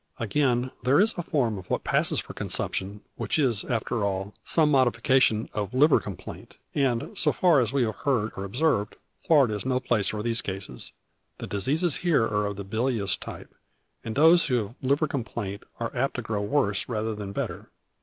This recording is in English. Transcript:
Again: there is a form of what passes for consumption, which is, after all, some modification of liver complaint; and, so far as we have heard or observed, Florida is no place for these cases. The diseases here are of the bilious type; and those who have liver complaint are apt to grow worse rather than better.